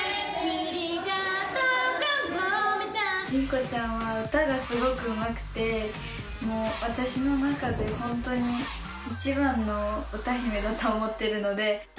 リンコちゃんは歌がすごくうまくて、もう私の中で本当に一番の歌姫だと思っているので。